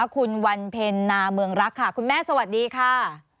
คุณวันเพ็ญนาเมืองรักค่ะคุณแม่สวัสดีค่ะ